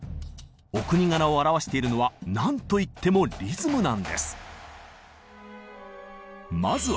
お国柄をあらわしているのはなんといってもリズムなんです。